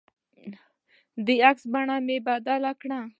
د عکس بڼه مې بدله کړه.